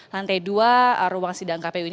lantai dua ruang sidang kpu ini